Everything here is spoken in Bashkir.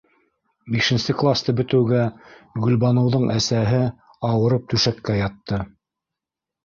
Бишенсе класты бөтөүгә Гөлбаныуҙың әсәһе ауырып түшәккә ятты.